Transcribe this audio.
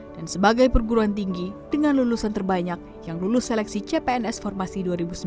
dan sebagai perguruan tinggi dengan lulusan terbanyak yang lulus seleksi cpns formasi dua ribu sembilan belas